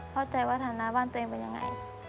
เข้าใจว่าฐานะบ้านตัวเองเป็นยังไง